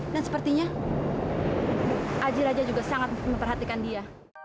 dan sepertinya aji raja juga sangat memperhatikan dia